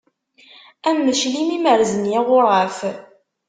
Am uclim i merzen yiɣuraf.